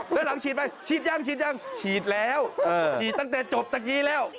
แล้วหลังฉีดไปฉีดยังฉีดยังฉีดแล้วฉีดตั้งแต่จบตะกี้แล้ว